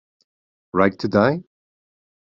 Right to Die?